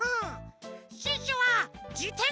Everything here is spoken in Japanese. シュッシュはじてんしゃ！